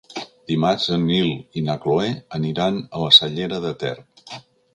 Dimarts en Nil i na Cloè aniran a la Cellera de Ter.